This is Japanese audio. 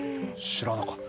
知らなかった。